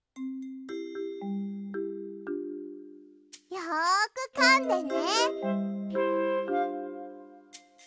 よくかんでね。